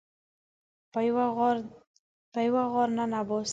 په یوه غار ننه باسي